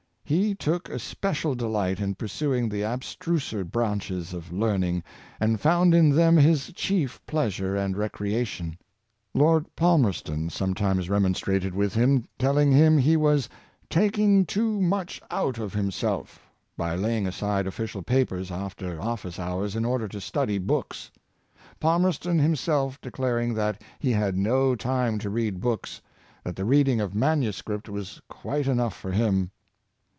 He took especial delight in pursuing the ab struser branches of learning, and found in them his chief pleasure and recreation. Lord Palmerston sometimes remonstrated with him, telling him he was " taking too 164 Work and Ovei'worh, much out of himself" by laying aside official papers after office hours in order to study books; Palmerston himself declaring that he had no time to read books — that the reading of manuscript was quite enough for him.